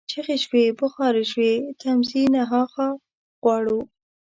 چیغي شوې، بغارې شوې: تمځي نه ها خوا غواړو،